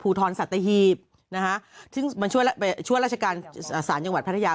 ภูทรสัตยฮีบนะฮะซึ่งมันช่วยช่วยรัชการส่านจังหวัดพัทยา